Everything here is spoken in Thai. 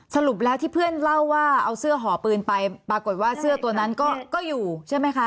สรุปแล้วที่เพื่อนเล่าว่าเอาเสื้อห่อปืนไปปรากฏว่าเสื้อตัวนั้นก็อยู่ใช่ไหมคะ